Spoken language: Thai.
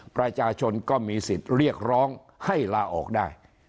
ประชาชนก็มีสิทธิ์เรียกร้องให้ลาออกได้